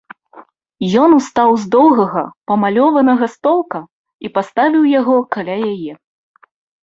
Ён устаў з доўгага памалёванага столка і паставіў яго каля яе.